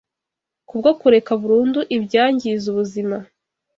Kubwo kureka burundu ibyangiza ubuzima